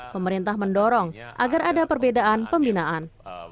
pemerintah mendorong agar ada perbedaan pembinaan